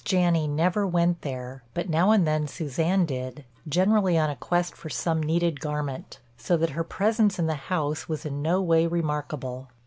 Janney never went there, but now and then Suzanne did, generally on a quest for some needed garment, so that her presence in the house was in no way remarkable.